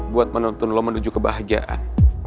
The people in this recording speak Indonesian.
buat menonton lo menuju kebahagiaan